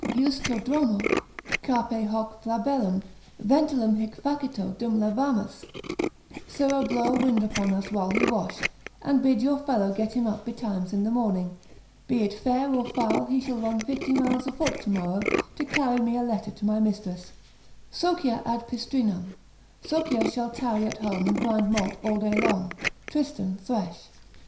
—Heus tu Dromo, cape hoc flabellum, ventulum hinc facito dum lavamus, sirrah blow wind upon us while we wash, and bid your fellow get him up betimes in the morning, be it fair or foul, he shall run fifty miles afoot tomorrow, to carry me a letter to my mistress, Socia ad pistrinam, Socia shall tarry at home and grind malt all day long, Tristan thresh.